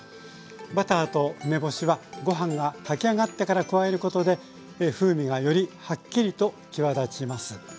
バターと梅干しはご飯が炊き上がってから加えることで風味がよりはっきりと際立ちます。